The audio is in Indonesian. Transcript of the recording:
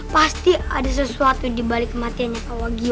pasti ada sesuatu dibalik kematiannya pawagio